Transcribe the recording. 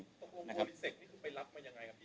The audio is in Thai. โบริเศกนี่เป็นไปรับมายังไงครับ